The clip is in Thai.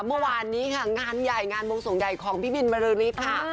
เมื่อวานนี้ค่ะงานใหญ่งานวงสวงใหญ่ของพี่บินบริษฐ์ค่ะ